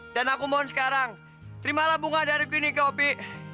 dan aku mohon sekarang terimalah bunga dariku ini ke opi